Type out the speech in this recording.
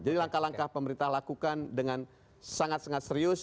jadi langkah langkah pemerintah lakukan dengan sangat sangat serius